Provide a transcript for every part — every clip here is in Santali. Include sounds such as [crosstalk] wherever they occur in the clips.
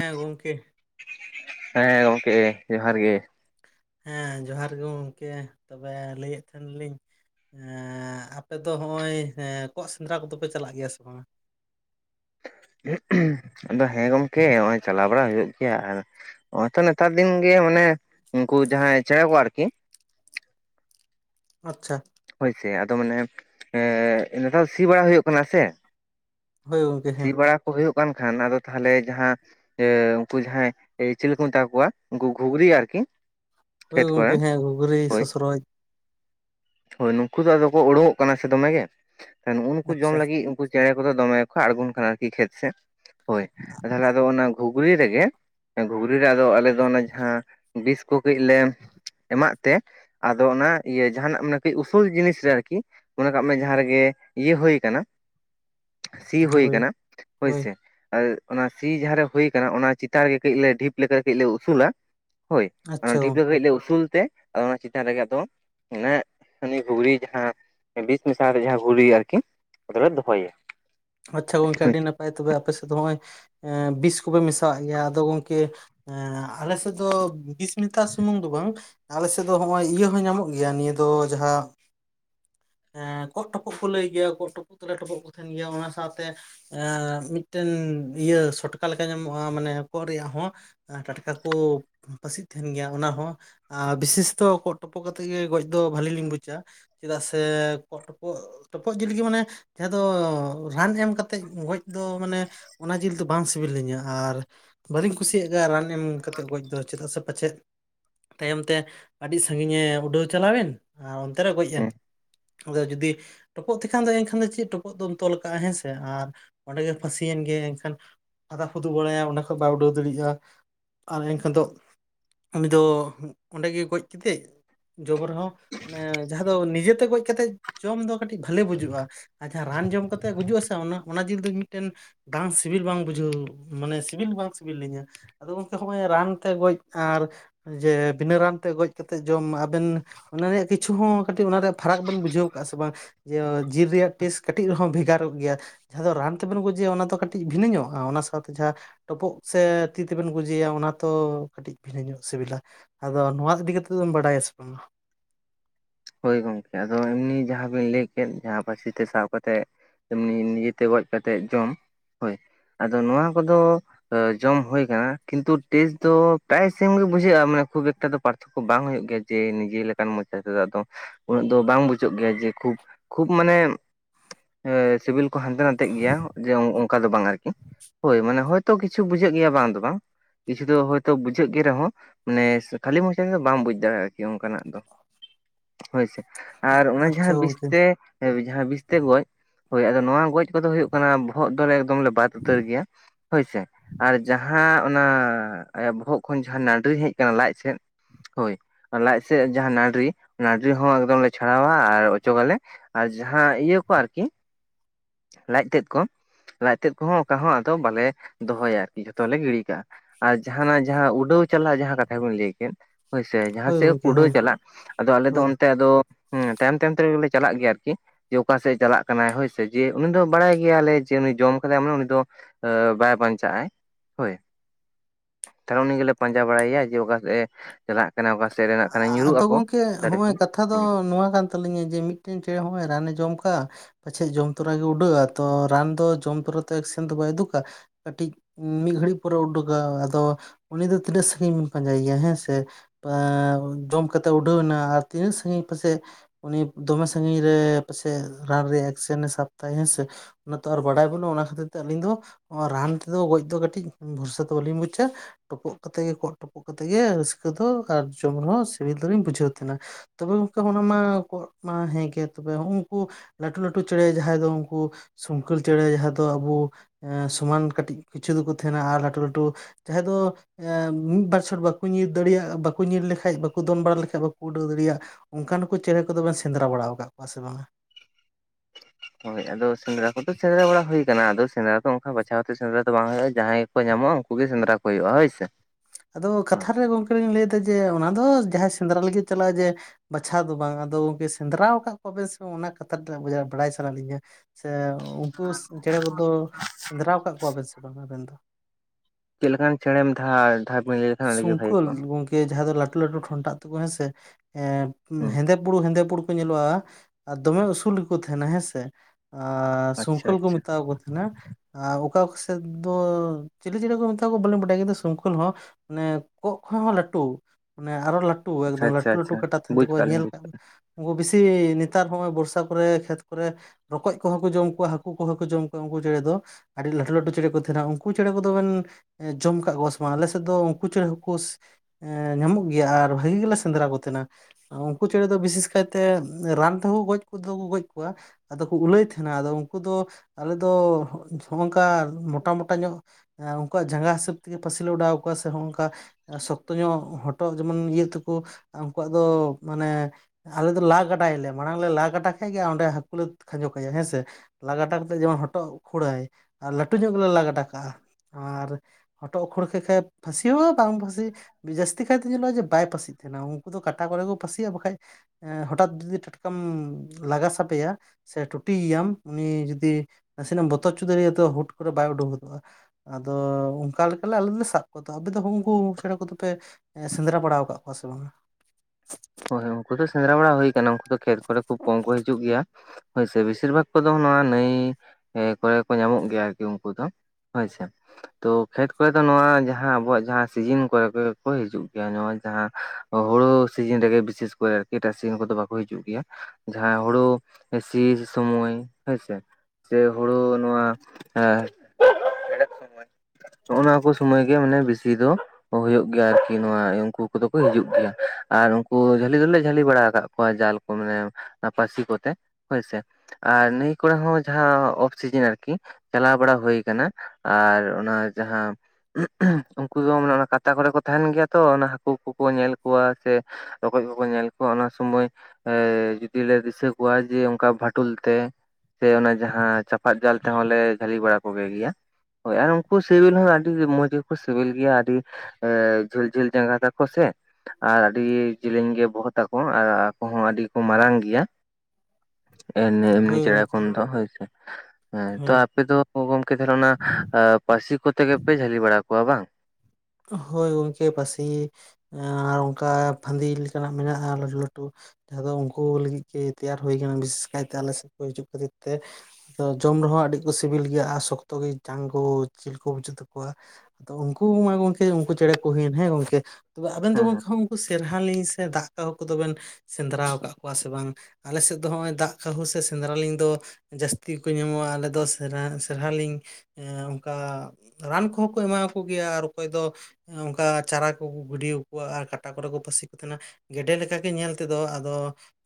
ᱦᱮᱸ ᱜᱚᱝᱠᱮ [unintelligible] ᱦᱮᱸ, ᱜᱚᱢᱠᱮ ᱡᱚᱦᱟᱨ ᱜᱮ ᱾ ᱦᱮᱸ, ᱡᱚᱦᱟᱨ ᱜᱮ ᱜᱚᱢᱠᱮ, ᱛᱚᱵᱮ, ᱞᱟᱹᱭᱮᱫ ᱛᱟᱦᱮᱱᱟᱞᱤᱧ ᱾ ᱟᱯᱮ ᱫᱚ, ᱦᱚᱸᱜᱼᱚᱭ ᱠᱚᱜ ᱥᱮᱸᱫᱽᱨᱟ ᱠᱚᱫᱚ ᱯᱮ, ᱪᱟᱞᱟᱜ ᱜᱮᱭᱟ ᱥᱮ ᱵᱟᱝᱟ? ᱦᱮᱸᱜᱼᱩᱻᱢ! ᱟᱫᱚ, ᱦᱮᱸ ᱜᱚᱝᱠᱮ, ᱱᱚᱜᱼᱚᱭ ᱪᱟᱞᱟᱣ ᱵᱟᱲᱟ, ᱦᱩᱭᱩᱜ ᱜᱮᱭᱟ ᱾ ᱦᱚᱸᱜ ᱛᱚ, ᱱᱮᱛᱟᱨ ᱫᱤᱱ ᱜᱮ, ᱚᱱᱮ, ᱩᱱᱠᱩ ᱡᱟᱦᱟᱸᱭ, ᱪᱟᱭ ᱠᱚᱻᱟᱨᱠᱤ ᱟᱪᱪᱷᱟ ᱾ ᱦᱳᱭᱥᱮ, ᱟᱫᱚ ᱢᱟᱱᱮ, ᱱᱮᱛᱟᱨ ᱥᱤ ᱵᱟᱲᱟ, ᱦᱩᱭᱩᱜ ᱠᱟᱱᱟ ᱥᱮ ᱾ ᱦᱳᱭ ᱜᱚᱝᱠᱮ ᱥᱤ ᱦᱮᱸ ᱵᱟᱲᱟ ᱠᱚ, ᱦᱩᱭᱩᱜ ᱠᱟᱱ ᱠᱷᱟᱱ, ᱟᱫᱚ ᱛᱟᱦᱚᱞᱮ, ᱡᱟᱦᱟᱸ ᱮᱻ, ᱩᱱᱠᱩ ᱡᱟᱦᱟᱸᱭ, ᱪᱤᱞᱤ? ᱠᱚ ᱢᱮᱛᱟ ᱠᱚᱣᱟ ᱾ ᱩᱱᱠᱩ ᱜᱷᱩᱜᱽᱨᱤ ᱟᱨᱠᱤ ᱾ ᱦᱚᱭ ᱜᱚᱝᱠᱮ, ᱦᱮᱸ ᱜᱷᱩᱜᱽᱨᱤ ᱥᱚᱥᱚᱨᱚᱡᱽ ᱾ ᱦᱳᱭ, ᱱᱩᱠᱩ ᱫᱚ ᱟᱫᱚ ᱠᱚ, ᱩᱰᱩᱠᱚᱜ ᱠᱟᱱᱟ ᱥᱮ ᱫᱚᱢᱮ ᱜᱮ, ᱩᱱᱠᱩ ᱡᱚᱢ ᱟᱪᱪᱷᱟ ᱞᱟᱹᱜᱤᱫ ᱩᱱᱠᱩ ᱪᱮᱬᱮ ᱠᱚᱫᱚ, ᱫᱚᱢᱮ ᱠᱷᱚᱜ ᱟᱲᱜᱚᱱ ᱠᱟᱱᱟ, ᱟᱨᱠᱤ ᱠᱷᱮᱛ ᱥᱮᱫ ᱾ ᱦᱳᱭ! ᱛᱟᱦᱚᱞᱮ ᱟᱫᱚ ᱚᱱᱟ, ᱜᱷᱩᱜᱽᱲᱤ ᱨᱮᱜᱮ, ᱜᱷᱩᱜᱽᱨᱤ ᱨᱮ, ᱟᱫᱚ ᱟᱞᱮ ᱫᱚ ᱚᱱᱟ ᱡᱟᱦᱟᱸ, ᱵᱤᱥ ᱠᱚ ᱠᱟᱹᱡ ᱞᱮ ᱮᱢᱟᱜ ᱛᱮ, ᱟᱫᱚ ᱚᱱᱟ, ᱤᱭᱟᱹ ᱡᱟᱦᱱᱟᱜ ᱢᱟᱱᱮ, ᱢᱮ ᱠᱟᱹᱡ ᱩᱥᱩᱞ ᱡᱤᱱᱤᱥ ᱨᱮ, ᱟᱨᱠᱤ ᱢᱚᱱᱮ ᱠᱟᱜ ᱢᱮ, ᱡᱟᱦᱟᱸ ᱨᱮᱜᱮ, ᱤᱭᱟᱹ ᱦᱩᱭ ᱟᱠᱟᱱᱟ, ᱥᱤ ᱦᱩᱭ ᱦᱳᱭ ᱟᱠᱟᱱᱟ ᱾ ᱦᱳᱭ ᱥᱮ ᱾ ᱟᱨ, ᱚᱱᱟ ᱥᱤ ᱡᱟᱦᱟᱸᱨᱮ, ᱦᱩᱭ ᱟᱠᱟᱱᱟ, ᱚᱱᱟ ᱪᱮᱛᱟᱱ ᱨᱮᱜᱮ ᱠᱟᱹᱡ ᱞᱮ, ᱰᱷᱤᱯ ᱞᱮᱠᱟ ᱠᱟᱹᱡ ᱞᱮ ᱩᱥᱩᱞᱟ, ᱦᱳᱭ, ᱚᱱᱟ ᱟᱪᱪᱷᱟ ᱰᱷᱤᱯ ᱞᱮᱠᱟ ᱜᱚᱝᱠᱮ ᱠᱟᱹᱡ ᱞᱮ, ᱩᱥᱩᱞ ᱛᱮ, ᱟᱫᱚ ᱚᱱᱟ ᱪᱮᱛᱟᱱ ᱨᱮᱜᱮ, ᱟᱫᱚ, ᱱᱮᱜ, ᱩᱱᱤ ᱜᱷᱩᱜᱽᱨᱤ, ᱡᱟᱦᱟᱸ ᱵᱤᱥ ᱢᱮᱥᱟ ᱟᱛᱮ, ᱡᱟᱦᱟᱸ ᱜᱷᱩᱜᱽᱨᱤ ᱟᱨᱠᱤ ᱟᱫᱚ ᱞᱮ, ᱫᱚᱦᱚ ᱮᱭᱟ ᱾ ᱟᱪᱪᱷᱟ, ᱜᱚᱝᱠᱮ! ᱟᱰᱤ ᱱᱟᱯᱟᱭ ᱛᱚᱵᱮ, ᱟᱯᱮ ᱥᱮᱫ ᱫᱚ ᱦᱚᱜᱼᱚᱸᱭ ᱾ ᱵᱤᱥ ᱠᱚᱯᱮ, ᱢᱮᱥᱟᱦᱟᱜᱼᱟ ᱜᱮᱭᱟ, ᱟᱫᱚ ᱜᱚᱝᱠᱮ, ᱮᱸᱼᱟᱞᱮ ᱥᱮᱫ ᱫᱚ, ᱵᱤᱥ ᱱᱮᱛᱟᱨ ᱥᱩᱢᱩᱝ ᱫᱚ ᱵᱟᱝ, ᱟᱞᱮ ᱥᱮᱫ ᱫᱚ, ᱱᱚᱜᱼᱚᱭ ᱤᱭᱟᱹ ᱦᱚᱸ ᱧᱟᱢᱚᱜ ᱜᱮᱭᱟ ᱾ ᱱᱤᱭᱟᱹ ᱫᱚ ᱡᱟᱦᱟᱸ ᱮᱸᱼ ᱠᱚᱜ ᱴᱚᱠᱚᱜ ᱠᱚ ᱞᱟᱹᱭ ᱜᱮᱭᱟ, ᱠᱚᱜ ᱴᱚᱠᱚᱜ ᱫᱚᱞᱮ ᱴᱚᱠᱚᱜ ᱠᱚ ᱛᱟᱦᱮᱱ ᱜᱮᱭᱟ, ᱚᱱᱟ ᱥᱟᱶᱛᱮ ᱢᱤᱫᱴᱮᱱ, ᱤᱭᱟᱹ ᱥᱚᱴᱠᱟ ᱞᱮᱠᱟ ᱧᱟᱢᱚᱜᱼᱟ, ᱢᱟᱱᱮ ᱠᱚᱜ ᱨᱮᱭᱟᱜ ᱦᱚᱸ ᱴᱟᱴᱠᱟ ᱠᱚ, ᱯᱟᱹᱥᱤᱜ ᱛᱟᱦᱮᱱ ᱜᱮᱭᱟ‌᱾ ᱚᱱᱟ ᱦᱚᱸ, ᱟᱨ ᱵᱤᱥᱮᱥ ᱛᱚ ᱠᱚᱜ ᱴᱚᱯᱚᱜ ᱠᱟᱛᱮᱜ ᱜᱮ, ᱜᱚᱡ ᱫᱚ ᱵᱷᱟᱞᱤ ᱞᱤᱧ ᱵᱩᱡᱟ ᱾ ᱪᱮᱫᱟᱜ ᱥᱮ, ᱠᱚᱜ ᱴᱚᱯᱚᱜ, ᱴᱚᱯᱚᱜ ᱡᱤᱞ ᱜᱮ, ᱢᱟᱱᱮ, ᱡᱟᱦᱟᱸ ᱫᱚ, ᱨᱟᱱ ᱮᱢ ᱠᱟᱛᱮᱡ ᱜᱚᱡ ᱫᱚ ᱢᱟᱱᱮ ᱚᱱᱟ ᱡᱤᱞ ᱫᱚ ᱵᱟᱝ ᱥᱤᱵᱤᱞ ᱞᱤᱧᱟ ᱟᱨ ᱵᱟᱹᱞᱤᱧ ᱠᱩᱥᱤᱭᱟᱜ ᱜᱮᱭᱟ ᱨᱟᱱ ᱮᱢ ᱠᱟᱛᱮᱫ ᱜᱚᱡ ᱫᱚ ᱪᱮᱫᱟᱜ ᱥᱮ ᱯᱟᱪᱮᱫ ᱛᱟᱭᱚᱢ ᱛᱮ ᱟᱹᱰᱤ ᱥᱟᱺᱜᱤᱧ ᱮ ᱩᱰᱟᱹᱣ ᱪᱟᱞᱟᱣᱮᱱ ᱟᱨ ᱚᱱᱛᱮ ᱨᱮ ᱜᱚᱡ ᱮᱱ ᱦᱮᱸ ᱾ ᱟᱫᱚ ᱡᱩᱫᱤ ᱴᱚᱯᱚᱜ ᱛᱮᱠᱷᱟᱱ ᱫᱚ ᱮᱱᱠᱷᱟᱱ ᱫᱚ ᱪᱮᱫ ᱴᱚᱯᱚᱜ ᱫᱚᱢ ᱛᱚᱞ ᱠᱟᱜᱼᱟ ᱦᱮᱸᱥᱮ ᱟᱨ ᱚᱸᱰᱮ ᱜᱮ ᱯᱷᱟᱥᱤᱭᱮᱱ ᱜᱮ, ᱮᱱᱠᱷᱟᱱ ᱯᱷᱟᱫᱟ ᱯᱷᱩᱫᱩ ᱵᱟᱲᱟᱭᱟ ᱚᱸᱰᱮ ᱠᱷᱚᱡ ᱵᱟᱭ ᱩᱰᱟᱹᱣ ᱫᱟᱲᱮᱭᱟᱜᱼᱟ ᱟᱨ ᱮᱱᱠᱷᱟᱱ ᱫᱚ ᱩᱱᱤ ᱫᱚ ᱚᱸᱰᱮ ᱜᱮ ᱜᱚᱡ ᱠᱟᱛᱮᱡ ᱡᱚᱢ ᱨᱮᱦᱚ ᱢᱟᱱᱮ ᱡᱟᱸᱦᱟ ᱫᱚ ᱱᱤᱡᱮ ᱛᱮ ᱜᱚᱡ ᱠᱟᱛᱮᱜ ᱡᱚᱢ ᱫᱚ ᱠᱟᱹᱴᱤᱡ ᱵᱷᱟᱞᱮ ᱵᱩᱡᱩᱜᱼᱟ ᱟᱨ ᱡᱟᱸᱦᱟ ᱨᱟᱱ ᱡᱚᱢ ᱠᱟᱛᱮ ᱜᱩᱡᱩᱜ-ᱟ ᱥᱮ ᱚᱱᱟ, ᱚᱱᱟ ᱡᱤᱞ ᱫᱚ ᱢᱤᱫᱴᱮᱱ ᱵᱟᱝ ᱥᱤᱵᱤᱞ ᱵᱟᱝ ᱵᱩᱡᱷᱟᱹᱣ ᱢᱟᱱᱮ ᱥᱤᱵᱤᱞ ᱵᱟᱝ ᱥᱤᱵᱤᱞ ᱞᱤᱧᱟ ᱾ ᱟᱫᱚ ᱜᱚᱝᱠᱮ ᱦᱚᱸᱜᱼᱚᱭ ᱨᱟᱱ ᱛᱮ ᱜᱚᱡ ᱟᱨ ᱡᱮ ᱵᱤᱱᱟᱹ ᱨᱟᱱ ᱛᱮ ᱜᱚᱡ ᱠᱟᱛᱮ ᱡᱚᱢ ᱟᱨ ᱟᱵᱮᱱ ᱚᱱᱟ ᱨᱮᱭᱟᱜ ᱠᱤᱪᱷᱩ ᱦᱚᱸ ᱠᱟᱹᱴᱤᱡ ᱚᱱᱟ ᱨᱮᱭᱟᱜ ᱯᱷᱟᱨᱟᱠ ᱵᱮᱱ ᱵᱩᱡᱷᱟᱹᱣ ᱠᱟᱜᱼᱟ ᱥᱮ ᱵᱟᱝ? ᱡᱮ ᱡᱤᱞ ᱨᱮᱭᱟᱜ ᱴᱮᱥᱴ ᱠᱟᱹᱴᱤᱡ ᱨᱮᱦᱚᱸ ᱵᱷᱮᱜᱟᱨᱚᱜ ᱜᱮᱭᱟ ᱾ ᱡᱟᱸᱦᱟ ᱫᱚ ᱨᱟᱱ ᱛᱮᱵᱮᱱ ᱜᱚᱡᱮᱭᱟ ᱚᱱᱟ ᱫᱚ ᱠᱟᱹᱴᱤᱡ ᱵᱷᱤᱱᱟᱹ ᱧᱚᱜᱼᱟ ᱾ ᱚᱱᱟ ᱥᱟᱶᱛᱮ ᱡᱟᱸᱦᱟ ᱴᱚᱯᱚᱜ ᱥᱮ ᱛᱤ ᱛᱮᱵᱮᱱ ᱜᱩᱡᱤᱭᱟ ᱚᱱᱟ ᱛᱚ ᱠᱟᱹᱴᱤᱡ ᱵᱷᱤᱱᱟᱹ ᱧᱚᱜ ᱥᱤᱵᱮᱞᱟ ᱾ ᱟᱫᱚ ᱱᱚᱣᱟ ᱤᱫᱤ ᱠᱟᱛᱮᱫ ᱫᱚᱢ ᱵᱟᱰᱟᱭᱟ ᱥᱮ ᱵᱟᱝᱟ? ᱦᱳᱭ ᱜᱚᱝᱠᱮ ᱾ ᱟᱫᱚ ᱮᱢᱱᱤ ᱡᱟᱸᱦᱟ ᱵᱤᱱ ᱞᱟᱹᱭ ᱠᱮᱜ ᱡᱟᱸᱦᱟ ᱯᱟᱥᱤ ᱛᱮ ᱥᱟᱵ ᱠᱟᱛᱮᱫ ᱮᱢᱱᱤ ᱱᱤᱡᱮᱛᱮ ᱜᱚᱡ ᱠᱟᱛᱮᱜ ᱡᱚᱢ ᱦᱳᱭ, ᱟᱫᱚ ᱱᱚᱣᱟ ᱠᱚᱫᱚ ᱡᱚᱢ ᱦᱳᱭ ᱠᱟᱱᱟ ᱠᱤᱱᱛᱩ ᱴᱮᱥᱴ ᱫᱚ ᱯᱨᱟᱭ ᱥᱮᱢ ᱜᱮ ᱵᱩᱡᱷᱟᱹᱜᱼᱟ ᱢᱟᱱᱮ ᱠᱷᱩᱵ ᱮᱠᱴᱟ ᱫᱚ ᱯᱟᱨᱛ ᱛᱷᱚᱠᱚ ᱵᱟᱝ ᱦᱳᱭᱳᱜ ᱜᱮᱭᱟ ᱡᱮ ᱱᱤᱡᱮ ᱞᱮᱠᱟᱱ ᱢᱚᱪᱟ ᱛᱮ ᱫᱚ ᱟᱫᱚ ᱩᱱᱟᱹᱜ ᱫᱚ ᱵᱟᱝ ᱵᱩᱡᱷᱟᱹᱜ ᱜᱮᱭᱟ ᱡᱮ, ᱠᱷᱩᱵ ᱠᱷᱩᱵ ᱢᱟᱱᱮ ᱥᱤᱵᱤᱞ ᱾ ᱠᱚ ᱦᱟᱱᱛᱮ ᱱᱟᱛᱮᱜ ᱜᱮᱭᱟ ᱡᱮ ᱚᱱᱠᱟ ᱫᱚ ᱵᱟᱝ ᱟᱨᱠᱤ, ᱦᱳᱭ ᱾ ᱢᱟᱱᱮ ᱦᱳᱭᱛᱳ ᱠᱤᱪᱷᱩ ᱵᱩᱡᱷᱟᱹᱜ ᱜᱮᱭᱟ ᱵᱟᱝ ᱫᱚ ᱵᱟᱝ ᱾ ᱠᱤᱪᱷᱩ ᱫᱚ ᱦᱚᱭᱛᱚ ᱵᱩᱡᱷᱟᱹᱜ ᱜᱮ ᱨᱮᱦᱚᱸ, ᱢᱟᱱᱮ ᱠᱷᱟᱹᱞᱤ ᱢᱚᱪᱟ ᱛᱮᱫᱚ ᱵᱟᱢ ᱵᱩᱡ ᱫᱟᱲᱮᱭᱟᱜᱼᱟ ᱟᱨᱠᱤ ᱚᱱᱠᱟᱱᱟᱜ ᱫᱚ ᱾ ᱦᱳᱭ ᱥᱮ ᱟᱨ ᱚᱱᱟ ᱟᱪᱪᱷᱟ ᱡᱟᱸᱦᱟ ᱵᱤᱥ ᱜᱚᱝᱠᱮ ᱛᱮ ᱡᱟᱸᱦᱟ ᱵᱤᱥ ᱛᱮ ᱜᱚᱡ, ᱦᱳᱭ ᱾ ᱟᱫᱚ ᱱᱚᱣᱟ ᱜᱚᱡ ᱠᱚᱫᱚ ᱦᱳᱭᱳᱜ ᱠᱟᱱᱟ ᱵᱚᱦᱚᱜ ᱫᱚᱞᱮ ᱮᱠᱫᱚᱢ ᱞᱮ ᱵᱟᱫ ᱩᱛᱟᱹᱨ ᱜᱮᱭᱟ ᱦᱳᱭ ᱥᱮ ᱟᱨ ᱡᱟᱸᱦᱟ ᱦᱮᱸ ᱚᱱᱟ ᱟᱭᱟᱜ ᱵᱚᱦᱚᱜ ᱠᱷᱚᱱ ᱡᱟᱸᱦᱟ ᱱᱟᱹᱰᱨᱤ ᱦᱮᱡ ᱟᱠᱟᱱᱟ ᱞᱟᱡ ᱥᱮᱫ ᱦᱳᱭ ᱞᱟᱡ ᱥᱮᱫ ᱡᱟᱸᱦᱟ ᱱᱟᱹᱰᱨᱤ ᱱᱟᱹᱰᱨᱤ ᱦᱚᱸ ᱮᱠᱫᱚᱢ ᱞᱮ ᱪᱷᱟᱲᱟᱣᱟ ᱟᱨ ᱚᱪᱚᱜ ᱟᱞᱮ ᱟᱨ ᱡᱟᱸᱦᱟ ᱤᱭᱟᱹ ᱠᱚ ᱟᱨᱠᱤ ᱞᱟᱡ ᱛᱮᱫ ᱠᱚ ᱞᱟᱡᱛᱮᱫ ᱠᱚᱦᱚᱸ ᱚᱠᱟ ᱦᱚᱸ ᱟᱫᱚ ᱵᱟᱞᱮ ᱫᱚᱦᱚᱭᱟ ᱟᱨᱠᱤ ᱡᱷᱚᱛᱚ ᱞᱮ ᱜᱤᱲᱤ ᱠᱟᱜᱼᱟ ᱾ ᱟᱨ ᱡᱟᱸᱦᱟᱱᱟᱜ ᱡᱟᱸᱦᱟ ᱩᱰᱟᱹᱣ ᱪᱟᱞᱟᱜ ᱡᱟᱸᱦᱟ ᱠᱟᱛᱷᱟ ᱵᱤᱱ ᱞᱟᱹᱭ ᱠᱮᱫ ᱦᱳᱭ ᱥᱮ ᱡᱟᱸᱦᱟ ᱦᱳᱭ ᱥᱮᱫ ᱜᱮᱠᱚ ᱜᱚᱝᱠᱮ ᱩᱰᱟᱹᱣ ᱦᱮᱸ ᱪᱟᱞᱟᱜ, ᱟᱫᱚ ᱟᱞᱮ ᱫᱚ ᱦᱳᱭ ᱚᱱ ᱛᱮ ᱟᱫᱚ ᱛᱟᱭᱚᱢ ᱛᱟᱭᱚᱢ ᱛᱮᱜᱮ ᱞᱮ ᱪᱟᱞᱟᱜ ᱜᱮᱭᱟ ᱟᱨᱠᱤ ᱡᱮ ᱚᱠᱟ ᱥᱮᱫ ᱪᱟᱞᱟᱜ ᱠᱟᱱᱟᱭ ᱦᱳᱭ ᱥᱮ ᱾ ᱡᱮ ᱩᱱᱤ ᱫᱚ ᱵᱟᱲᱟᱭ ᱜᱮᱭᱟ ᱞᱮ ᱡᱮ ᱩᱱᱤ ᱡᱚᱢ ᱠᱟᱫᱟᱭ ᱢᱟᱱᱮ ᱩᱱᱤ ᱫᱚ ᱟᱹ ᱵᱟᱭ ᱵᱟᱧᱪᱟᱜ ᱟᱭ ᱦᱳᱭ ᱾ [unintelligible] ᱛᱟᱦᱞᱮ ᱩᱱᱤ ᱜᱮᱞᱮ ᱯᱟᱸᱡᱟ ᱵᱟᱲᱟᱮᱭᱟ ᱡᱮ, ᱚᱠᱟ ᱥᱮᱫ ᱮ ᱪᱟᱞᱟᱜ ᱠᱟᱱᱟ ᱚᱠᱟ ᱥᱮᱫ ᱨᱮ ᱱᱟᱦᱟᱜ ᱠᱷᱟᱱ ᱧᱩᱨᱦᱩᱜ ᱟᱫᱚ ᱟᱠᱚ ᱾ ᱜᱚᱝᱠᱮ ᱦᱚᱸᱜᱼᱚᱭ ᱠᱟᱛᱷᱟ ᱫᱚ ᱱᱚᱣᱟ ᱠᱟᱱ ᱛᱟᱞᱤᱧᱟ ᱡᱮ ᱢᱤᱫᱴᱮᱱ ᱪᱮᱬᱮ ᱦᱚᱸᱜᱼᱚᱭ ᱨᱟᱱ ᱮ ᱡᱚᱢ ᱠᱟᱜ-ᱟ ᱾ ᱯᱟᱪᱮᱫ ᱡᱚᱢ ᱛᱚᱨᱟ ᱜᱮ ᱩᱰᱟᱹᱜᱼᱟ ᱾ ᱛᱚ ᱨᱟᱱ ᱫᱚ ᱡᱚᱢ ᱛᱚᱨᱟ ᱛᱚ ᱮᱠᱥᱮᱱ ᱫᱚ ᱵᱟᱭ ᱩᱫᱩᱠᱟ ᱾ ᱠᱟᱹᱴᱤᱡ ᱢᱤᱫ ᱜᱷᱟᱹᱲᱤᱡ ᱯᱚᱨᱮ ᱩᱰᱩᱠᱟ ᱾ ᱟᱫᱚ ᱩᱱᱤ ᱫᱚ ᱛᱤᱱᱟᱹᱜ ᱥᱟᱺᱜᱤᱧ ᱵᱮᱱ ᱯᱟᱸᱡᱟᱮᱭᱟ ᱦᱮᱸᱥᱮ ᱾ ᱮᱸᱻ ᱡᱚᱢ ᱠᱟᱛᱮᱫ ᱩᱰᱟᱹᱣ ᱮᱱᱟ ᱟᱨ ᱛᱤᱱᱟᱹᱜ ᱥᱟᱺᱜᱤᱧ ᱯᱟᱥᱮᱡ ᱩᱱᱤ ᱫᱚᱢᱮ ᱥᱟᱺᱜᱤᱧ ᱨᱮ ᱯᱟᱥᱮᱡ ᱨᱟᱱ ᱨᱮᱭᱟᱜ ᱮᱠᱥᱮᱱ ᱮ ᱥᱟᱵ ᱛᱟᱭ ᱦᱮᱸᱥᱮ ᱾ ᱚᱱᱟ ᱛᱚ ᱟᱨ ᱵᱟᱰᱟᱭ ᱵᱟᱹᱱᱩᱜᱼᱟ ᱾ ᱚᱱᱟ ᱠᱷᱟᱹᱛᱤᱨ ᱛᱮ ᱟᱹᱞᱤᱧ ᱫᱚ ᱨᱟᱱ ᱛᱮᱫᱚ ᱜᱚᱡ ᱫᱚ ᱠᱟᱹᱴᱤᱡ ᱵᱷᱚᱨᱥᱟᱹ ᱠᱩ ᱵᱟᱞᱤᱧ ᱵᱩᱡᱟ ᱾ ᱴᱚᱯᱚᱜ ᱠᱟᱛᱮᱜ ᱜᱮ ᱠᱚᱜ ᱴᱚᱯᱚᱜ ᱠᱟᱛᱮᱫ ᱜᱮ ᱨᱟᱹᱥᱠᱟᱹ ᱫᱚ ᱟᱨ ᱡᱚᱢ ᱨᱮᱦᱚᱸ ᱥᱤᱵᱤᱞ ᱫᱚ ᱞᱤᱧ ᱵᱩᱡᱷᱟᱹᱣ ᱛᱟᱦᱮᱸᱱᱟ᱾ ᱛᱚᱵᱮ ᱚᱱᱠᱟ ᱢᱟ ᱠᱚᱜ ᱢᱟ ᱦᱮᱸᱜᱮ ᱛᱚᱵᱮ ᱦᱩᱱᱠᱩ ᱞᱟᱹᱴᱩ ᱞᱟᱹᱴᱩ ᱪᱮᱬᱮ ᱡᱟᱦᱟᱸᱭ ᱫᱚ ᱩᱱᱠᱩ ᱥᱩᱝᱠᱟᱹᱞ ᱪᱮᱬᱮ ᱡᱟᱸᱦᱟᱭ ᱫᱚ ᱟᱵᱩ ᱥᱚᱢᱟᱱ ᱠᱟᱹᱴᱤᱡ ᱠᱤᱪᱷᱩ ᱫᱩᱠᱚ ᱛᱟᱦᱮᱸᱱᱟ ᱟᱨ ᱞᱟᱹᱴᱩ ᱞᱟᱹᱴᱩ ᱡᱟᱦᱟᱸᱭ ᱫᱚ ᱢᱤᱫ ᱵᱟᱨ ᱵᱚᱪᱷᱚᱨ ᱵᱟᱠᱚ ᱧᱤᱨ ᱫᱟᱲᱮᱭᱟᱜ ᱵᱟ ᱵᱟᱠᱚ ᱧᱮᱞ ᱞᱮᱠᱷᱟᱡ ᱵᱟᱠᱚ ᱫᱚᱱ ᱵᱟᱲᱟ ᱞᱮᱠᱷᱟᱡ ᱵᱟᱠᱚ ᱩᱰᱟᱹ ᱫᱟᱲᱮᱭᱟᱜ ᱚᱱᱠᱟᱱ ᱠᱚ ᱪᱮᱬᱮ ᱠᱚᱫᱚᱚᱵᱱ ᱥᱮᱸᱫᱽᱨᱟ ᱵᱟᱲᱟ ᱟᱠᱟᱫ ᱠᱚᱣᱟ ᱥᱮ ᱵᱟᱝᱟ? ᱦᱳᱭ ᱟᱫᱚ ᱥᱮᱸᱫᱽᱨᱟ ᱠᱚᱫᱚ ᱥᱮᱸᱫᱽᱨᱟ ᱵᱟᱲᱟ ᱦᱩᱭ ᱟᱠᱟᱱᱟ ᱟᱫᱚ ᱥᱮᱸᱫᱽᱨᱟ ᱫᱚ ᱚᱱᱠᱟ ᱵᱟᱪᱷᱟᱣᱛᱮ ᱥᱮᱸᱫᱽᱨᱟ ᱫᱚ ᱵᱟᱝ ᱦᱩᱭᱩᱜᱼᱟ ᱡᱟᱦᱟᱸᱭ ᱠᱚ ᱧᱟᱢᱚᱜᱼᱟ ᱩᱱᱠᱩ ᱜᱮ ᱥᱮᱸᱫᱽᱨᱟ ᱠᱚ ᱦᱩᱭᱩᱜᱼᱟ ᱦᱳᱭ ᱥᱮ᱾ ᱟᱫᱚ ᱦᱳᱭ ᱠᱟᱛᱷᱟᱨ ᱨᱮ ᱜᱚᱝᱠᱮ ᱞᱤᱧ ᱞᱟᱹᱭᱫᱟ ᱡᱮ ᱚᱱᱟ ᱫᱚ ᱡᱟᱦᱟᱸᱭ ᱥᱮᱸᱫᱽᱨᱟ ᱞᱟᱹᱜᱤᱫ ᱪᱟᱞᱟᱜᱼᱟ ᱡᱮ ᱵᱟᱪᱷᱟᱣ ᱫᱚ ᱵᱟᱝ ᱟᱫᱚ ᱜᱚᱢᱠᱮ ᱥᱮᱸᱫᱽᱨᱟ ᱟᱠᱟᱫ ᱠᱚᱣᱟᱵᱮᱱ ᱥᱮ ᱚᱱᱟ ᱠᱟᱛᱷᱟ ᱵᱟᱲᱟᱭ ᱥᱟᱱᱟ ᱞᱤᱧᱟ᱾ ᱥᱮ ᱩᱱᱠᱩ ᱪᱮᱬᱮ ᱠᱚᱫᱚ ᱥᱮᱸᱫᱽᱨᱟ ᱟᱠᱟᱫ ᱠᱚᱣᱟᱵᱮᱱ ᱥᱮ ᱵᱟᱝ ᱟᱵᱮᱱ ᱫᱚ ᱪᱮᱫ ᱞᱮᱠᱟᱱ ᱪᱮᱬᱮᱢ ᱫᱷᱟᱷᱟᱨ [inaudible] ᱥᱚᱝᱠᱟᱹᱞ ᱜᱚᱝᱠᱮ ᱡᱟᱦᱟᱸᱭ ᱫᱚ ᱞᱟᱹᱴᱩ ᱞᱟᱹᱴᱩ ᱴᱷᱚᱱᱴᱟᱜ ᱛᱟᱠᱚ ᱦᱮᱸ ᱥᱮ ᱮ ᱦᱩᱸ ᱦᱮᱸᱫᱮ ᱯᱩᱲ ᱦᱮᱸᱫᱮ ᱯᱩᱲ ᱠᱚ ᱧᱮᱞᱚᱜᱼᱟ ᱟᱨ ᱫᱚᱢᱮ ᱩᱥᱩᱞ ᱜᱮᱠᱚ ᱛᱟᱦᱮᱱᱟ ᱦᱮᱸᱥᱮ ᱟᱸ ᱟᱪᱪᱷᱟ ᱥᱩᱝᱠᱷᱟ. ᱞ ᱠᱚ ᱟᱪᱪᱷᱟ ᱢᱮᱛᱟᱣ ᱠᱚ ᱛᱟᱦᱮᱸᱱᱟ ᱟᱨ ᱚᱠᱟ ᱚᱠᱟ ᱥᱮᱫ ᱫᱚ ᱪᱤᱞᱤ ᱪᱤᱞᱤ ᱠᱚ ᱢᱮᱛᱟ ᱠᱚᱣᱟ ᱵᱟᱹᱞᱤᱧ ᱵᱟᱰᱟᱭᱟ ᱠᱤᱱᱛᱩ ᱥᱚᱝᱠᱞ ᱦᱚᱸ ᱢᱟᱱᱮ ᱠᱚᱜ ᱠᱷᱚᱡ ᱦᱚᱸ ᱞᱟᱹᱴᱩ ᱢᱟᱱᱮ ᱟᱨᱚ ᱞᱟᱹᱴᱩ ᱟᱪᱪᱷᱟ ᱮᱠᱫᱚᱢ ᱟᱪᱪᱷᱟ ᱞᱟᱹᱴᱩ ᱞᱟᱹᱴᱩ ᱟᱪᱪᱷᱟ ᱠᱟᱴᱟ ᱛᱟᱦᱮᱱ ᱵᱩᱡ ᱛᱟᱠᱚᱣᱟ ᱞᱤᱧ ᱧᱮᱞ ᱵᱩᱡ ᱠᱟᱜ ᱞᱤᱧ ᱩᱱᱠᱩ ᱵᱮᱥᱤ ᱱᱮᱛᱟᱨ ᱥᱚᱢᱚᱭ ᱵᱚᱨᱥᱟ ᱠᱚᱨᱮ ᱠᱷᱮᱛ ᱠᱚᱨᱮ ᱨᱚᱠᱚᱡ ᱠᱚᱦᱚᱸ ᱠᱚ ᱡᱚᱢ ᱠᱚᱣᱟ ᱦᱟᱹᱠᱩ ᱠᱚᱦᱚᱸ ᱠᱚ ᱡᱚᱢ ᱠᱚᱣᱟ ᱩᱱᱠᱩ ᱪᱮᱬᱮ ᱫᱚ᱾ ᱟᱹᱰᱤ ᱞᱟᱹᱴᱩ ᱞᱟᱹᱴᱩ ᱪᱮᱬᱮ ᱠᱚ ᱛᱟᱦᱮᱱᱟ ᱩᱱᱠᱩ ᱪᱮᱬᱮ ᱠᱚᱫᱚᱵᱮᱱ ᱡᱚᱢ ᱟᱠᱟᱟᱜ ᱠᱚᱣᱟ ᱥᱮ ᱵᱟᱝ ᱟᱞᱮᱥᱮᱫ ᱫᱚ ᱦᱠᱩ ᱪᱮᱬᱮ ᱦᱚᱸᱠᱩ ᱧᱟᱢᱚᱜ ᱜᱮᱭᱟ ᱟᱨ ᱵᱷᱟᱹᱜᱤ ᱜᱮᱞᱮ ᱥᱮᱸᱫᱽᱨᱟ ᱠᱚ ᱛᱟᱦᱮᱸᱱᱟ᱾ ᱩᱱᱠᱩ ᱪᱮᱬᱮ ᱫᱚ ᱵᱤᱥᱮᱥ ᱠᱟᱭᱛᱮ ᱨᱟᱱ ᱛᱮᱦᱚᱸ ᱜᱚᱡ ᱠᱚ ᱠᱚ ᱜᱚᱡ ᱠᱚᱣᱟ ᱟᱫᱚ ᱠᱚ ᱩᱞᱟᱹᱭ ᱛᱟᱦᱮᱱᱟ ᱟᱫᱚ ᱩᱱᱠᱩ ᱫᱚ ᱟᱞᱮ ᱫᱚ ᱱᱚᱜᱼᱝᱠᱟ ᱢᱳᱴᱟ ᱢᱚᱴᱟ ᱧᱚᱜ ᱩᱱᱠᱩᱣᱟᱜ ᱡᱟᱸᱜᱟ ᱦᱤᱥᱟᱹᱵ ᱛᱮᱜᱮ ᱯᱟᱹᱥᱤᱞ ᱞᱮ ᱚᱰᱟᱣ ᱟᱠᱣᱟ ᱥᱮ ᱚᱱᱠᱟ ᱥᱚᱠᱛᱚ ᱧᱚᱜ ᱦᱚᱴᱚᱜ ᱡᱮᱢᱚᱱ ᱤᱭ ᱛᱟᱠᱚ ᱩᱱᱠᱩᱣᱟᱜ ᱫᱚ ᱢᱟᱱᱮ ᱟᱞᱮ ᱫᱚ ᱞᱟ ᱜᱟᱰᱟᱭᱟᱞᱮ ᱢᱟᱲᱟᱝ ᱞᱮ ᱞᱟ ᱜᱟᱰᱟ ᱠᱷᱟ ᱜᱮ ᱚᱸᱰᱮ ᱦᱟᱹᱠᱩᱮ ᱠᱷᱟᱸᱡᱚ ᱠᱟᱭᱟ ᱦᱮᱸ ᱥᱮ᱾ ᱞᱟᱜᱟᱴᱟᱜ ᱫᱚ ᱡᱮᱢᱚᱱ ᱦᱚᱴᱚᱜ ᱠᱷᱟᱹᱲᱟᱹᱭ ᱟᱨ ᱞᱟᱹᱴᱩ ᱧᱚᱜ ᱜᱮᱞᱮ ᱞᱟ ᱜᱟᱰᱟ ᱠᱟᱜᱼᱟ᱾ ᱟᱨ ᱦᱚᱴᱚᱜ ᱠᱷᱩᱲ ᱛᱮᱠᱷᱟᱡ ᱯᱷᱟᱥᱤ ᱵᱟᱝ ᱯᱟᱹᱥᱤ ᱡᱟᱹᱥᱛᱤ ᱠᱟᱭᱛᱮ ᱧᱮᱞᱚᱜᱼᱟ ᱡᱮ ᱵᱟᱭ ᱯᱟᱹᱥᱤᱜ ᱛᱟᱦᱮᱱᱟ ᱩᱱᱠᱩ ᱫᱚ ᱠᱟᱴᱟ ᱠᱚᱨᱮ ᱠᱚ ᱯᱟᱹᱥᱤᱜᱼᱟ ᱵᱟᱠᱷᱟᱡ ᱦᱚᱴᱟᱛ ᱡᱩᱫᱤ ᱴᱟᱴᱠᱟᱢ ᱞᱟᱜᱟ ᱥᱟᱵᱮᱭᱟ ᱥᱮ ᱴᱩᱴᱤᱭᱮᱭᱟᱢ ᱩᱱᱤ ᱡᱩᱫᱤ ᱱᱟᱥᱮ ᱮᱢ ᱵᱚᱛᱚᱨ ᱦᱚᱪᱚ ᱫᱟᱲᱮᱭᱟᱜᱟᱭᱼᱟ ᱛᱚ ᱦᱩᱴ ᱠᱚᱨᱮ ᱵᱟᱭ ᱩᱰᱩᱠ ᱜᱚᱫᱚᱜᱼᱟ᱾ ᱟᱫᱚ ᱚᱱᱠᱟ ᱞᱮᱠᱟᱞᱮ ᱟᱞᱮ ᱫᱚ ᱞᱮ ᱥᱟᱵ ᱠᱚ ᱟᱯᱮ ᱫᱚ ᱩᱱᱠᱩ ᱪᱮᱬᱟ ᱠᱚᱫᱚᱯᱮ ᱥᱮᱸᱫᱽᱨᱟ ᱵᱟᱲᱟ ᱟᱠᱟᱫ ᱠᱚᱣᱟ ᱥᱮ ᱵᱟᱝᱟ? ᱦᱳᱭ ᱩᱱᱠᱩ ᱫᱚ ᱥᱮᱸᱫᱽᱨᱟ ᱵᱟᱲᱟ ᱦᱩᱭ ᱟᱠᱟᱱᱟ ᱩᱱᱠᱩ ᱫᱚ ᱠᱷᱮᱛ ᱠᱚᱨᱮ ᱠᱷᱩᱵ ᱠᱚᱢ ᱠᱚ ᱦᱤᱡᱩᱜ ᱜᱮᱭᱟ᱾ ᱦᱳᱭᱥᱮ ᱵᱮᱥᱤᱨ ᱵᱷᱟᱜ ᱠᱚᱫᱚ ᱱᱚᱣᱟ ᱱᱟᱹᱭ ᱠᱚᱨᱮ ᱠᱚ ᱧᱟᱢᱚᱜ ᱜᱮᱭᱟ ᱟᱨᱠᱤ ᱩᱱᱠᱩ ᱫᱚ᱾ ᱦᱳᱭᱥᱮ ᱛᱚ ᱠᱷᱮᱛ ᱠᱚᱨᱮ ᱫᱚ ᱱᱚᱣᱟ ᱡᱟᱦᱟᱸ ᱟᱵᱚᱣᱟᱜ ᱡᱟᱦᱟᱸ ᱥᱤᱡᱤᱱ ᱠᱚᱨᱮ ᱠᱚ ᱦᱤᱡᱩᱜ ᱜᱮᱭᱟ ᱱᱚᱣᱟ ᱡᱟᱦᱟᱸ ᱦᱳᱲᱳ ᱥᱤᱡᱤᱱ ᱨᱮᱜᱮ ᱵᱤᱥᱮᱥ ᱠᱚᱨᱮ ᱟᱨᱠᱤ ᱮᱴᱟᱜ ᱥᱤᱡᱤᱱ ᱠᱚᱫᱚ ᱵᱟᱠᱚ ᱦᱤᱡᱩᱜ ᱜᱮᱭᱟ᱾ ᱡᱟᱦᱟᱸ ᱦᱩᱲᱩ ᱥᱤᱨ ᱥᱚᱢᱚᱭ ᱦᱳᱭᱥᱮ᱾ ᱥᱮ ᱦᱩᱲᱩ ᱱᱚᱣᱟ ᱮᱸ ᱱᱚᱜᱼ ᱱᱚᱣᱟ ᱠᱚ ᱥᱚᱢᱚᱭ ᱜᱮ ᱢᱟᱱᱮ ᱵᱮᱥᱤ ᱫᱚ ᱦᱩᱭᱩᱜ ᱜᱮᱭᱟ ᱟᱨᱠᱤ ᱱᱚᱶᱟ ᱩᱱᱠᱩ ᱠᱚᱫᱚ ᱠᱚ ᱦᱤᱡᱩᱜ ᱜᱮᱭᱟ ᱟᱨ ᱩᱱᱠᱩ ᱡᱷᱟᱹᱞᱤ ᱫᱚᱞᱮ ᱡᱷᱟᱹᱞᱤ ᱵᱟᱲᱟ ᱟᱠᱟᱫ ᱠᱚᱣᱟ ᱡᱟᱞ ᱠᱚ ᱢᱟᱱᱮ ᱯᱟᱹᱥᱤ ᱠᱚᱛᱮ ᱦᱳᱭᱥᱮ᱾ ᱟᱨ ᱱᱟᱹᱭ ᱠᱚᱨᱮ ᱦᱚᱸ ᱡᱟᱦᱟᱸ ᱚᱯᱷᱥᱤᱡᱮᱱ ᱟᱹᱨᱠᱤ᱾ ᱪᱟᱞᱟᱣ ᱵᱟᱲᱟ ᱦᱩᱭ ᱠᱟᱱᱟ ᱟᱨ ᱚᱱᱟ ᱡᱟᱦᱟᱸ ᱩᱱᱠᱩ ᱫᱚ ᱢᱟᱱᱮ ᱚᱱᱟ ᱠᱟᱛᱟ ᱠᱚᱨᱮ ᱠᱚ ᱛᱟᱦᱮᱱ ᱜᱮᱭᱟ ᱛᱚ᱾ ᱚᱱᱟ ᱦᱟᱹᱠᱩ ᱠᱚᱠᱚ ᱧᱮᱞ ᱠᱚᱣᱟ ᱥᱮ᱾ ᱨᱚᱠᱚᱡ ᱠᱚᱠᱚ ᱧᱮᱞ ᱠᱚᱣᱟ᱾ ᱚᱱᱟ ᱥᱚᱢᱚᱭ ᱮ ᱡᱩᱫᱤ ᱞᱮ ᱫᱤᱥᱟᱹ ᱠᱚᱣᱟ ᱡᱮ ᱚᱱᱠᱟ ᱵᱷᱟᱴᱳᱞ ᱛᱮ ᱥᱮ ᱚᱱᱟ ᱡᱟᱦᱟᱸ ᱪᱟᱯᱟᱫ ᱡᱟᱞ ᱛᱮᱦᱚᱸ ᱞᱮ ᱡᱷᱟᱹᱞᱤ ᱵᱟᱲᱟ ᱠᱚᱜᱮ ᱜᱮᱭᱟ᱾ ᱦᱳᱭ ᱟᱨ ᱩᱱᱠᱩ ᱥᱤᱵᱤᱞ ᱦᱚᱸ ᱟᱹᱰᱤ ᱢᱚᱸᱡᱽ ᱜᱮᱠᱚ ᱥᱤᱵᱤᱞ ᱜᱮᱭᱟ᱾ ᱟᱹᱰᱤ ᱮ ᱡᱷᱟᱹᱞ ᱡᱷᱟᱹᱞ ᱡᱟᱸᱜᱟ ᱛᱟᱠᱚ ᱥᱮ ᱟᱨ ᱟᱹᱰᱤ ᱡᱮᱞᱮᱧ ᱜᱮ ᱵᱚᱦᱚᱜ ᱟᱠᱚ ᱟᱨ ᱟᱠᱚ ᱦᱚᱸ ᱟᱹᱰᱤ ᱠᱚ ᱢᱟᱨᱟᱝ ᱜᱮᱭᱟ᱾ ᱦᱳᱭ ᱮᱢᱱᱤ ᱪᱮᱸᱬᱮ ᱜᱚᱝᱠᱮ ᱠᱷᱚᱱ ᱫᱚ ᱦᱚᱭ ᱥᱮ ᱦᱮᱸ, ᱦᱮᱸ ᱟᱯᱮ ᱫᱚ? ᱜᱚᱝᱠᱮ ᱛᱟᱦᱞᱮ ᱚᱱᱟ ᱯᱟᱹᱥᱤ ᱠᱚᱛᱮ ᱜᱮ ᱯᱮ ᱡᱷᱟᱹᱞᱤ ᱵᱟᱲᱟ ᱠᱚᱣᱟ ᱵᱟᱝ? ᱦᱳᱭ ᱜᱚᱝᱠᱮ ᱯᱟᱹᱥᱤ ᱟᱨ ᱚᱱᱠᱟ ᱯᱷᱟᱸᱫᱤ ᱞᱮᱠᱟᱱᱟᱜ ᱢᱮᱱᱟᱜᱼᱟ, ᱞᱟᱹᱴᱩ ᱞᱟᱹᱴᱩ ᱡᱟᱦᱟᱸ ᱫᱚ ᱩᱱᱠᱩ ᱞᱟᱹᱜᱤᱫ ᱜᱮ ᱛᱮᱭᱟᱨ ᱦᱩᱭ ᱠᱟᱱᱟ᱾ ᱵᱤᱥᱮᱥ ᱠᱟᱭᱛᱮ ᱟᱞᱮ ᱥᱮᱫ ᱠᱚ ᱦᱤᱡᱩᱜ ᱠᱷᱟᱹᱛᱤᱨ ᱛᱮ᱾ ᱡᱚᱢ ᱨᱮᱦᱚᱸ ᱟᱹᱰᱤ ᱠᱚ ᱥᱤᱵᱤᱞ ᱜᱮᱭᱟ ᱟᱨ ᱥᱚᱠᱛᱚ ᱜᱮ ᱡᱟᱝ ᱠᱚ ᱡᱤᱞ ᱠᱚ ᱵᱩᱡᱷᱟᱹᱜ ᱛᱟᱠᱚᱣᱟ᱾ ᱟᱫᱚ ᱩᱱᱠᱩ ᱢᱟ ᱜᱚᱝᱠᱮ ᱩᱱᱠᱩ ᱪᱮᱬᱮ ᱠᱚ ᱦᱩᱭᱮᱱ ᱦᱮᱸ ᱜᱚᱝᱠᱮ, ᱛᱚᱵᱮ ᱟᱵᱮᱱ ᱫᱚ ᱦᱮᱸ ᱦᱮᱸ ᱜᱚᱝᱠᱮ ᱦᱚᱸ ᱩᱱᱠᱩ ᱥᱮᱨᱦᱟ ᱞᱤᱧᱴ ᱥᱮ ᱫᱟᱜ ᱠᱟᱦᱩᱸ ᱠᱚᱫᱚ ᱵᱮᱱ ᱥᱮᱸᱫᱽᱨᱟ ᱠᱟᱫ ᱠᱚᱣᱟ ᱥᱮ ᱵᱟᱝ᱾ ᱟᱞᱮ ᱥᱮᱫ ᱫᱚ ᱱᱚᱜᱼᱚᱭ ᱫᱟᱜ ᱠᱟᱹᱦᱩ ᱥᱮ ᱥᱮᱸᱫᱽᱨᱟ ᱞᱤᱧ ᱫᱚ ᱡᱟᱹᱥᱛᱤ ᱠᱚ ᱧᱟᱢᱚᱜᱼᱟ᱾ ᱟᱞᱮ ᱫᱚ ᱥᱮᱨᱟᱞᱤ ᱥᱮᱨᱟᱞᱤ ᱦᱮᱸ ᱚᱱᱠᱟ ᱨᱟᱱ ᱠᱚᱦᱚᱸ ᱠᱚ ᱮᱢᱟ ᱠᱚ ᱜᱮᱭᱟ ᱟᱨ ᱚᱠᱚᱭ ᱫᱚ ᱚᱱᱠᱟ ᱪᱟᱨᱟ ᱠᱚ ᱠᱚ ᱜᱤᱰᱤ ᱟᱠᱚᱣᱟ ᱟᱨ ᱠᱟᱴᱟ ᱠᱚᱨᱮ ᱠᱚ ᱯᱟᱹᱥᱤ ᱠᱚ ᱛᱟᱦᱮᱸᱱᱟ᱾ ᱜᱮᱰᱮ ᱞᱮᱠᱟ ᱜᱮ ᱧᱮᱞ ᱛᱮᱫᱚ ᱟᱫᱚ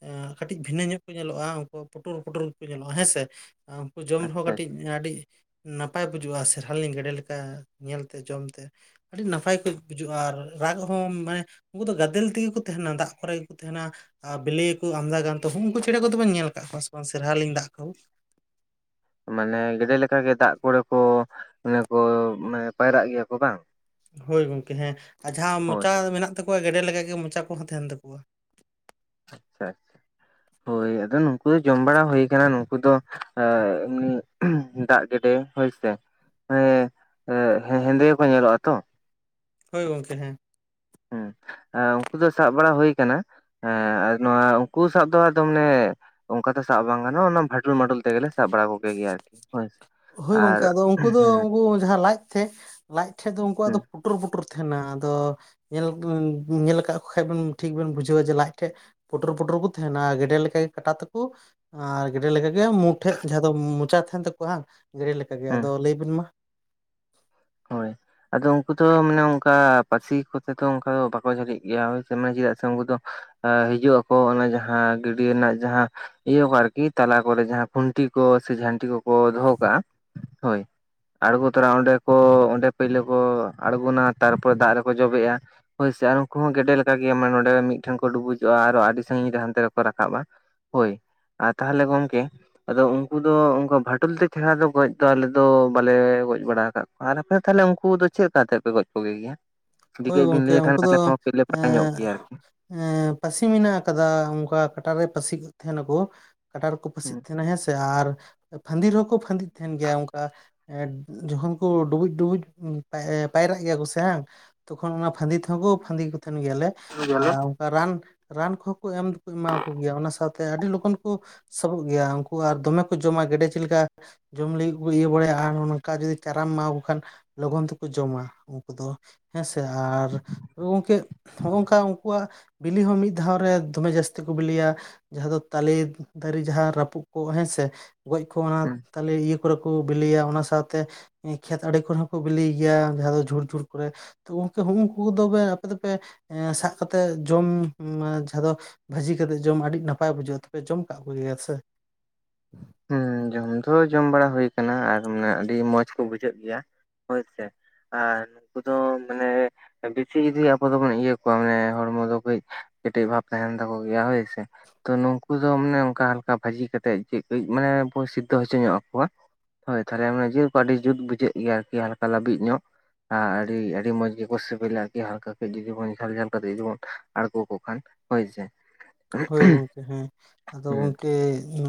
ᱮᱸ ᱠᱟᱹᱴᱤᱡ ᱵᱷᱤᱱᱟᱹ ᱧᱚᱜ ᱠᱚ ᱧᱮᱞᱚᱜᱼᱟ᱾ ᱩᱱᱠᱩ ᱯᱩᱴᱩᱨ ᱯᱩᱴᱩᱨ ᱠᱚ ᱧᱮᱞᱚᱜᱼᱟ ᱦᱮᱸᱥᱮ᱾ ᱡᱚᱢ ᱨᱮᱦᱚᱸ ᱟᱪᱪᱷᱟ ᱠᱟᱹᱴᱤᱡ, ᱟᱪᱪᱷᱟ ᱟᱹᱰᱤ ᱱᱟᱯᱟᱭ ᱵᱩᱡᱩᱜᱼᱟ᱾ ᱥᱮᱨᱟᱞᱤ ᱜᱮᱰᱮ ᱞᱮᱠᱟ ᱧᱮᱞ ᱛᱮ, ᱡᱚᱢ ᱛᱮ᱾ ᱟᱹᱰᱤ ᱱᱟᱯᱟᱭ ᱠᱚᱡ ᱵᱩᱡᱩᱜᱼᱟ ᱟᱨ ᱨᱟᱜ ᱦᱚᱸ ᱢᱟᱱᱮ ᱩᱱᱠᱩ ᱫᱚ ᱜᱟᱫᱮᱞ ᱛᱮᱜᱮ ᱠᱚ ᱛᱟᱦᱮᱱᱟ, ᱫᱟᱜ ᱠᱚᱨᱮ ᱜᱮᱠᱚ ᱛᱟᱦᱮᱱᱟ᱾ ᱟᱨ ᱵᱤᱞᱤ ᱠᱚ ᱟᱢᱫᱟ ᱜᱟᱱ ᱛᱚ ᱩᱱᱠᱩ ᱪᱮᱬᱮ ᱠᱚᱫᱚᱵᱚᱱ ᱧᱮᱞ ᱟᱠᱟᱫ ᱠᱚᱣᱟ ᱥᱮ᱾ ᱥᱮᱨᱦᱟᱞᱤᱝ ᱫᱟᱜ ᱠᱟᱸᱦᱩ ᱢᱟᱱᱮ ᱜᱮᱰᱮ ᱞᱮᱠᱟ ᱜᱮ ᱫᱟᱜ ᱠᱚᱨᱮ ᱠᱚ, ᱚᱱᱮ ᱠᱚ ᱢᱟᱱᱮ ᱯᱟᱭᱨᱟᱜ ᱜᱮᱭᱟ ᱠᱚ ᱵᱟᱝ? ᱦᱳᱭ ᱜᱚᱝᱠᱮ ᱦᱮᱸ, ᱟᱨ ᱡᱟᱦᱟᱸ ᱦᱳᱭ ᱢᱚᱪᱟ ᱦᱳᱭ ᱢᱮᱱᱟᱜ ᱛᱟᱠᱚᱣᱟ ᱜᱮᱰᱮ ᱞᱮᱠᱟ ᱜᱮ ᱢᱚᱪᱟ ᱠᱚᱦᱚᱸ ᱛᱟᱦᱮᱱ ᱛᱟᱠᱚᱣᱟ᱾ [inaudible] ᱦᱳᱭ ᱟᱫᱚ ᱱᱩᱠᱩ ᱫᱚ ᱡᱚᱢ ᱵᱟᱲᱟ ᱦᱩᱭ ᱟᱠᱟᱱᱟ᱾ ᱱᱩᱠᱩ ᱫᱚ ᱮᱢᱱᱤ ᱫᱟᱜ ᱜᱮᱰᱮ ᱦᱳᱭ ᱥᱮ ᱦᱮ ᱦᱮᱸᱫᱮ ᱜᱮ ᱠᱚ ᱧᱮᱞᱚᱜᱼᱟ ᱛᱚ? ᱦᱳᱭ ᱜᱚᱝᱠᱮ ᱦᱮᱸ᱾ ᱦᱮᱸ ᱩᱱᱠᱩ ᱫᱚ ᱥᱟᱵᱽ ᱵᱟᱲᱟ ᱦᱩᱭ ᱟᱠᱟᱱᱟ᱾ ᱦᱮᱸ ᱟᱨ ᱱᱚᱣᱟ ᱩᱱᱠᱩ ᱥᱟᱵᱽ ᱫᱚ ᱟᱫᱚ ᱚᱱᱮ ᱚᱱᱠᱟ ᱫᱚ ᱥᱟᱵᱽ ᱵᱟᱝ ᱜᱟᱱᱚᱜ, ᱚᱱᱟ ᱵᱷᱟᱴᱚᱞ ᱢᱟᱴᱚᱞ ᱛᱮᱜᱮ ᱞᱮ ᱥᱟᱵ ᱵᱟᱲᱟ ᱠᱚᱜᱮ ᱜᱮᱭᱟ ᱟᱹᱨᱠᱤ᱾ ᱦᱳᱭ ᱜᱚᱝᱠᱮ ᱟᱫᱚ ᱩᱱᱠᱩ ᱫᱚ ᱩᱱᱠᱩ ᱡᱟᱦᱟᱸ ᱞᱟᱡ ᱛᱮ ᱞᱟᱡᱽ ᱴᱷᱮᱡ ᱫᱚ ᱩᱱᱠᱩᱣᱟᱜ ᱫᱚ ᱦᱩᱸ ᱯᱩᱴᱩᱨ ᱯᱩᱴᱩᱨ ᱛᱟᱦᱮᱱᱟ᱾ ᱟᱫᱚ ᱧᱮᱞ ᱧᱮᱞ ᱟᱠᱟᱫ ᱠᱚ ᱠᱷᱟᱱ ᱴᱷᱤᱠ ᱵᱮᱱ ᱵᱩᱡᱷᱟᱹᱣᱟ ᱡᱮ ᱞᱟᱡ ᱴᱷᱮᱡ ᱯᱩᱴᱩᱨ ᱯᱩᱴᱩᱨ ᱠᱚ ᱛᱟᱦᱮᱱᱟ᱾ ᱜᱮᱰᱮ ᱞᱮᱠᱟ ᱜᱮ ᱠᱟᱴᱟ ᱛᱟᱠᱚ᱾ ᱟᱨ ᱜᱮᱰᱮ ᱞᱮᱠᱟᱜᱮ ᱢᱩᱴᱷᱮᱡ ᱟᱫᱚ ᱢᱚᱪᱟ ᱛᱟᱦᱮᱱ ᱛᱟᱠᱚᱣᱟ ᱦᱟᱸᱜ ᱜᱮᱰᱮ ᱞᱮᱠᱟ ᱜᱮ᱾ ᱦᱩᱸ ᱟᱫᱚ ᱞᱟᱹᱭ ᱵᱤᱱ ᱢᱟ ᱦᱳᱭ᱾ ᱟᱫᱚ ᱩᱱᱠᱩ ᱫᱚ ᱢᱟᱱᱮ ᱚᱱᱠᱟ ᱯᱟᱹᱥᱤ ᱠᱚᱛᱮ ᱫᱚ ᱚᱱᱠᱟ ᱫᱚ ᱵᱟᱠᱚ ᱡᱷᱟᱹᱞᱤᱜ ᱜᱮᱭᱟ ᱦᱳᱭ ᱥᱮ ᱪᱮᱫᱟᱜ ᱥᱮ ᱩᱱᱠᱩ ᱫᱚ ᱦᱤᱡᱩᱜ ᱟᱠᱚ, ᱚᱱᱟ ᱡᱟᱦᱟᱸ ᱜᱟᱹᱰᱭᱟᱹ ᱨᱮᱱᱟᱜ ᱡᱟᱦᱟᱸ ᱤᱭᱟᱹ ᱠᱚ ᱟᱨᱠᱤ, ᱛᱟᱞᱟ ᱠᱚᱨᱮ ᱡᱟᱦᱟᱸ ᱠᱷᱩᱱᱴᱤ ᱠᱚ ᱥᱮ ᱡᱷᱟᱱᱴᱤ ᱠᱚ ᱠᱚ ᱫᱚᱦᱚ ᱠᱟᱜᱼᱟ ᱦᱳᱭ, ᱟᱸᱬᱜᱚ ᱛᱚᱨᱟ ᱚᱸᱰᱮ ᱠᱚ ᱚᱸᱰᱮ ᱯᱳᱭᱞᱳ ᱠᱚ ᱟᱬᱜᱚᱱᱟ ᱛᱟᱨᱯᱚᱨᱮ ᱫᱟᱜ ᱨᱮᱠᱚ ᱡᱚᱵᱮᱜᱼᱟ ᱾ ᱦᱳᱭ ᱥᱮ, ᱟᱨ ᱩᱱᱠᱩ ᱦᱚᱸ ᱜᱮᱰᱮ ᱞᱮᱠᱟ ᱜᱮ ᱢᱟᱱᱮ ᱱᱚᱰᱮ ᱢᱤᱫᱴᱷᱮᱱ ᱠᱚ ᱰᱩᱵᱩᱡᱚᱜᱼᱟ ᱟᱨ ᱟᱹᱰᱤ ᱥᱟᱺᱜᱤᱧ ᱨᱮ ᱦᱟᱱᱛᱮ ᱨᱮᱠᱚ ᱨᱟᱠᱟᱵᱼᱟ ᱾ ᱦᱳᱭ ᱛᱟᱦᱚᱞᱮ ᱜᱚᱢᱠᱮᱼᱼ ᱟᱫᱚ ᱩᱱᱠᱩ ᱫᱚᱠᱩ ᱵᱷᱟᱴᱳᱞ ᱛᱮ ᱪᱮᱦᱨᱟ ᱫᱚ ᱜᱚᱡ ᱫᱚ ᱟᱞᱮ ᱫᱚ ᱵᱟᱞᱮ ᱜᱚᱡ ᱵᱟᱲᱟ ᱟᱠᱟᱫ ᱠᱚᱣᱟ ᱾ ᱟᱨ ᱟᱯᱮ ᱫᱚ ᱛᱟᱦᱚᱞᱮ ᱩᱱᱠᱩ ᱫᱚ ᱪᱮᱫ ᱞᱮᱠᱟ ᱠᱟᱛᱮ ᱯᱮ ᱜᱚᱡ ᱠᱚᱜᱮ ᱜᱮᱭᱟ? ᱦᱳᱭ ᱡᱩᱫᱤ ᱵᱤᱱ ᱜᱚᱝᱠᱮ ᱞᱟᱹᱭ ᱞᱮᱠᱷᱟᱱ ᱩᱱᱠᱩ ᱫᱚ ᱟᱞᱮᱦᱚᱸ ᱠᱟᱹᱡ ᱞᱮ ᱵᱟᱲᱟᱭ ᱧᱚᱜ ᱮᱸ ᱜᱮᱭᱟ ᱟᱹᱨᱠᱤ ᱾ ᱮᱸ ᱯᱟᱹᱥᱤ ᱢᱮᱱᱟᱜ ᱟᱠᱟᱫᱟ ᱚᱱᱠᱟ ᱠᱟᱴᱟ ᱨᱮ ᱯᱟᱹᱥᱤ ᱠᱚ ᱛᱟᱦᱮᱱᱟᱠᱚ ᱾ ᱠᱟᱴᱟ ᱨᱮᱠᱚ ᱯᱟᱹᱥᱤᱜ ᱦᱩᱸ ᱛᱟᱦᱮᱱᱟ ᱦᱮᱸᱥᱮ ᱟᱨ ᱯᱷᱟᱸᱫᱤ ᱨᱮᱦᱚᱸ ᱠᱚ ᱯᱷᱟᱸᱫᱤᱜ ᱛᱟᱦᱮᱱ ᱜᱮᱭᱟ ᱚᱱᱠᱟ ᱾ ᱮᱸ ᱡᱚᱠᱷᱚᱱ ᱠᱚ ᱰᱩᱵᱩᱡ ᱰᱩᱵᱩᱡ ᱯᱟᱭᱨᱟᱜ ᱜᱮᱭᱟ ᱠᱚ ᱥᱮ ᱦᱟᱸᱜᱼᱼ ᱛᱚᱠᱷᱚᱱ ᱚᱱᱟ ᱯᱷᱟᱸᱫᱤ ᱛᱮᱦᱚᱸ ᱠᱚ ᱯᱷᱟᱸᱫᱤ ᱠᱚ ᱛᱟᱦᱮᱱ ᱜᱮᱭᱟᱞᱮ, ᱦᱩᱸ ᱟᱨᱼᱼ ᱨᱟᱱ ᱨᱟᱱ ᱠᱚᱦᱚᱸ ᱠᱚ ᱮᱢ ᱮᱢᱟ ᱠᱚ ᱜᱮᱭᱟ ᱚᱱᱟ ᱥᱟᱶᱛᱮ ᱟᱹᱰᱤ ᱞᱚᱜᱚᱱ ᱠᱚᱼᱼ ᱥᱟᱵᱚᱜ ᱜᱮᱭᱟ ᱩᱱᱠᱩ ᱟᱨ ᱫᱚᱢᱮ ᱠᱚ ᱡᱚᱢᱟ ᱜᱮᱰᱮ ᱪᱮᱫ ᱞᱮᱠᱟ ᱾ ᱡᱚᱢ ᱞᱟᱹᱜᱤᱫ ᱠᱚ ᱤᱭᱟᱹ ᱵᱟᱲᱟᱭᱟ ᱟᱨ ᱱᱚᱝᱠᱟ ᱡᱩᱫᱤ ᱪᱟᱨᱟᱢ ᱮᱢᱟᱣᱟᱠᱚ ᱠᱷᱟᱱᱼᱼ ᱞᱚᱜᱚᱱ ᱛᱮᱠᱚ ᱡᱚᱢᱟ ᱩᱱᱠᱩ ᱫᱚ ᱦᱮᱸᱥᱮ ᱾ ᱟᱨ ᱜᱚᱢᱠᱮᱼᱼ ᱱᱚᱜᱼᱚ ᱱᱚᱝᱠᱟ ᱩᱱᱠᱩᱣᱟᱜ ᱵᱤᱞᱤ ᱦᱚᱸ ᱢᱤᱫ ᱫᱷᱟᱣ ᱨᱮ ᱫᱚᱢᱮ ᱡᱟᱹᱥᱛᱤ ᱠᱚ ᱵᱤᱞᱤᱭᱟ ᱾ ᱡᱟᱦᱟᱸ ᱫᱚ ᱛᱟᱞᱮ ᱫᱟᱨᱮ ᱡᱟᱦᱟᱸ ᱨᱟᱹᱯᱩᱫ ᱠᱚᱜ ᱦᱮᱸᱥᱮ ᱜᱚᱡ ᱠᱚ ᱚᱱᱟ ᱛᱟᱞᱮ ᱤᱭᱟᱹ ᱼᱼ ᱠᱚᱨᱮ ᱠᱚ ᱵᱤᱞᱤᱭᱟ ᱚᱱᱟ ᱥᱟᱶᱛᱮ ᱮᱸ ᱠᱷᱮᱛ ᱟᱲᱮ ᱠᱚᱨᱮ ᱦᱚᱸᱠᱚ ᱵᱤᱞᱤᱭ ᱜᱮᱭᱟ ᱡᱟᱦᱟᱸ ᱫᱚ ᱡᱷᱩᱲ ᱡᱷᱩᱲ ᱠᱚᱨᱮᱼᱼ ᱛᱩ ᱦᱩᱜ [unintelligible] ᱩᱭᱝᱠᱩ ᱛᱚᱵᱮ ᱟᱯᱮ ᱫᱚᱯᱮ ᱮᱸ ᱥᱟᱵ ᱠᱟᱛᱮᱫ ᱡᱚᱢ ᱡᱟᱦᱟᱸ ᱫᱚᱼᱼ ᱵᱷᱟᱹᱡᱤ ᱠᱟᱛᱮᱫ ᱡᱚᱢ ᱟᱹᱰᱤ ᱱᱟᱯᱟᱭ ᱵᱩᱡᱷᱟᱹᱜᱼᱟ ᱛᱚᱵᱮ ᱡᱚᱢ ᱠᱟᱜ ᱠᱚᱜᱮᱭᱟ ᱥᱮ? ᱦᱮᱸ ᱡᱚᱢ ᱫᱚ ᱡᱚᱢ ᱵᱟᱲᱟ ᱦᱩᱭ ᱠᱟᱱᱟ ᱟᱨ ᱢᱟᱱᱮ ᱟᱹᱰᱤ ᱢᱚᱸᱡᱽ ᱠᱚ ᱵᱩᱡᱷᱟᱹᱜ ᱜᱮᱭᱟ ᱦᱳᱭ ᱥᱮ ᱾ ᱟᱨ ᱱᱩᱠᱩ ᱫᱚ ᱢᱟᱱᱮᱼᱼ ᱵᱤᱥᱤ ᱡᱩᱫᱤ ᱟᱵᱚ ᱫᱚᱵᱚᱱ ᱤᱭᱟᱹ ᱠᱚᱣᱟ ᱢᱟᱱᱮ ᱦᱚᱲᱢᱚ ᱫᱚ ᱠᱟᱹᱡ ᱠᱮᱴᱮᱡ ᱵᱷᱟᱵᱽ ᱛᱟᱦᱮᱱ ᱛᱟᱠᱚᱣᱟ ᱜᱮᱭᱟ ᱦᱳᱭ ᱥᱮ ᱾ ᱛᱚ ᱱᱩᱝᱠᱩ ᱫᱚ ᱢᱟᱱᱮ ᱚᱱᱠᱟ ᱦᱟᱞᱠᱟ ᱵᱷᱟᱹᱡᱤ ᱠᱟᱛᱮᱜ ᱪᱮᱫ ᱠᱟᱹᱡᱽ ᱢᱟᱱᱮ ᱵᱚ ᱥᱤᱫᱽᱫᱷᱚ ᱦᱚᱪᱚ ᱧᱚᱜ ᱠᱚᱣᱟᱼᱼ ᱦᱚᱭ ᱛᱟᱦᱞᱮ ᱢᱟᱱᱮ ᱡᱤᱞ ᱠᱚ ᱟᱹᱰᱤ ᱡᱩᱛ ᱵᱩᱡᱷᱟᱹᱜ ᱜᱮᱭᱟ ᱟᱨᱠᱤ ᱦᱟᱞᱠᱟ ᱞᱟᱹᱵᱤᱫ ᱧᱚᱜᱼᱼ ᱟᱨ ᱟᱹᱰᱤ ᱟᱹᱰᱤ ᱢᱚᱸᱡᱽ ᱜᱮᱠᱚ ᱥᱤᱵᱤᱞᱟ ᱟᱨᱠᱤ ᱦᱟᱞᱠᱟ ᱠᱟᱹᱡᱽ ᱡᱩᱫᱤ ᱵᱚᱱ ᱡᱷᱟᱞ ᱡᱷᱟᱞ ᱠᱟᱛᱮ ᱡᱩᱫᱤ ᱵᱚᱱ ᱟᱸᱬᱜᱚ ᱠᱚ ᱠᱷᱟᱡ ᱾ ᱦᱚᱭ ᱥᱮᱼᱼ ᱦᱚᱭ ᱜᱚᱝᱠᱮ ᱦᱮᱸ ᱟᱫᱚ ᱜᱚᱝᱠᱮ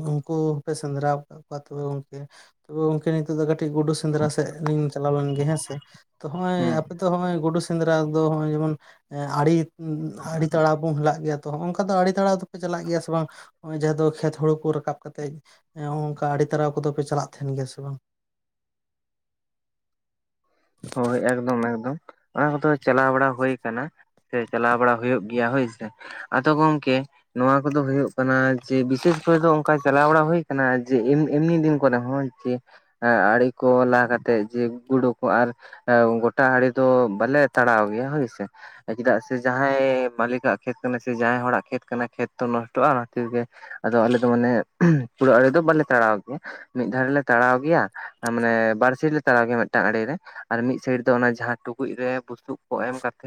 ᱩᱝᱠᱩᱼᱼ ᱯᱮ ᱥᱮᱸᱫᱽᱨᱟᱣ ᱠᱟᱫ ᱠᱚᱣᱟ ᱛᱚᱵᱮ ᱜᱚᱝᱷᱠᱮ ᱛᱚᱵᱮ ᱜᱚᱝᱠᱮ ᱱᱤᱛᱚᱜ ᱫᱚ ᱠᱟᱹᱴᱤᱡ ᱜᱩᱰᱩ ᱥᱮᱸᱼᱼ ᱥᱮᱸᱫᱽᱨᱟ ᱥᱮᱫ ᱞᱤᱧ ᱪᱟᱞᱟᱣ ᱞᱮᱱ ᱜᱮ ᱦᱮᱸ ᱥᱮ ᱛᱚ ᱦᱚᱜᱼᱚᱭᱼᱼ ᱦᱩᱸ ᱟᱯᱮ ᱫᱚ ᱦᱚᱜᱼᱚᱭ ᱜᱩᱰᱩ ᱥᱮᱸᱫᱽᱨᱟ ᱫᱚ ᱦᱚᱜᱼᱚᱭ ᱡᱮᱢᱚᱱ ᱟᱲᱤ ᱟᱲᱤ ᱛᱟᱲᱟ ᱵᱚᱱ ᱞᱟᱜ ᱜᱮᱭᱟ ᱛᱚ ᱦᱚᱜᱼᱚ ᱱᱚᱝᱼᱼ ᱠᱟᱼᱼ ᱱᱮᱛᱟᱲ ᱫᱚ ᱟᱲᱮ ᱛᱟᱲᱟᱣ ᱫᱚᱯᱮ ᱪᱟᱞᱟᱜ ᱜᱮᱭᱟ ᱥᱮ ᱵᱟᱝ ᱦᱚᱜᱼᱚᱭ ᱡᱟᱦᱟ ᱫᱚ ᱠᱷᱮᱛ ᱦᱩᱲᱩ ᱠᱚ ᱨᱟᱠᱟᱵ ᱠᱟᱛᱮ ᱾ ᱦᱮᱸ ᱦᱚᱜᱼᱚᱝᱠᱟ ᱟᱹᱲᱮ ᱛᱟᱲᱟᱣ ᱠᱚᱫᱚ ᱯᱮ ᱪᱟᱞᱟᱜ ᱛᱟᱦᱮᱱ ᱜᱮᱭᱟ ᱥᱮ ᱵᱟᱝ? ᱦᱚᱭ ᱮᱠᱫᱚᱢ ᱮᱠᱫᱚᱢ ᱚᱱᱟ ᱠᱚᱫᱚ ᱪᱟᱞᱟᱣ ᱵᱟᱲᱟ ᱦᱩᱭ ᱠᱟᱱᱟ ᱾ ᱥᱮ ᱪᱟᱞᱟᱣ ᱵᱟᱲᱟ ᱦᱩᱭᱩᱜ ᱜᱮᱭᱟ ᱦᱳᱭ ᱥᱮ ᱟᱫᱚ ᱜᱚᱝᱠᱮᱼᱼ ᱱᱚᱣᱟ ᱠᱚᱫᱚ ᱦᱩᱭᱩᱜ ᱠᱟᱱᱟ ᱡᱮ ᱵᱤᱥᱮᱥ ᱠᱚᱨᱮ ᱫᱚ ᱚᱝᱠᱟ ᱪᱟᱞᱟᱣ ᱵᱟᱲᱟ ᱦᱩᱭ ᱠᱟᱱᱟ ᱡᱮ ᱮᱢᱱᱤ ᱫᱤᱱᱼᱼ ᱦᱚᱭ ᱪᱮ ᱦᱮᱸ ᱟᱲᱮ ᱠᱚ ᱞᱟ ᱠᱟᱛᱮᱫ ᱡᱮ ᱜᱩᱰᱩ ᱠᱚ ᱟᱨᱼᱼ ᱜᱚᱴᱟ ᱟᱲᱮ ᱫᱚ ᱵᱟᱞᱮ ᱛᱟᱲᱟᱣ ᱜᱮᱭᱟ ᱦᱚᱭ ᱥᱮ ᱾ ᱪᱮᱫᱟᱜ ᱥᱮ ᱡᱟᱦᱟᱸᱭ ᱢᱟᱹᱞᱤᱠᱟᱜ ᱠᱷᱮᱛ ᱠᱟᱱᱟ ᱥᱮ ᱡᱟᱦᱟᱸᱭ ᱦᱚᱲᱟᱜ ᱠᱷᱮᱛ ᱠᱟᱱᱟ ᱠᱷᱮᱛ ᱛᱚ ᱱᱚᱥᱴᱚᱜᱼᱟ ᱚᱱᱟ ᱠᱷᱟᱛᱤᱨ ᱜᱮᱼᱼ ᱟᱫᱚ ᱟᱞᱮ ᱫᱚ ᱢᱟᱱᱮ ᱯᱩᱨᱟᱹ ᱟᱲᱮ ᱫᱚ ᱵᱟᱞᱮ ᱛᱟᱲᱟᱣ ᱜᱮᱭᱟ ᱾ ᱢᱤᱫ ᱫᱷᱟᱨᱮ ᱞᱮ ᱛᱟᱲᱟᱣ ᱜᱮᱭᱟ ᱢᱟᱱᱮ ᱵᱟᱨ ᱥᱮᱡ ᱞᱮ ᱛᱟᱲᱟᱣ ᱜᱮᱭᱟ ᱢᱤᱫᱴᱟᱝ ᱟᱲᱮ ᱨᱮᱼᱼ ᱟᱨ ᱢᱤᱫ ᱥᱟᱭᱤᱰ ᱫᱚ ᱚᱱᱟ ᱡᱟᱦᱟᱸ ᱴᱩᱠᱩᱡ ᱨᱮ ᱵᱩᱥᱩᱵ ᱠᱚ ᱮᱢ ᱠᱟᱛᱮᱜᱼᱼ